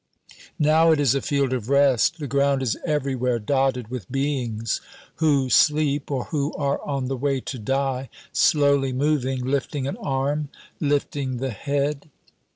Now, it is a field of rest. The ground is everywhere dotted with beings who sleep or who are on the way to die, slowly moving, lifting an arm, lifting the head.